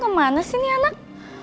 kemana sih nih anak